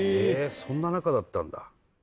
そんな仲だったんだ